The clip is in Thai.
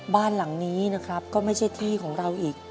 บ้านหลังนี้นะครับก็ไม่ใช่ที่ของเราอีก